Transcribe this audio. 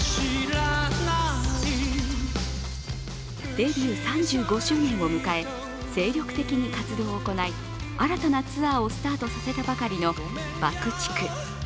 デビュー３５周年を迎え精力的に活動を行い新たなツアーをスタートさせたばかりのＢＵＣＫ−ＴＩＣＫ。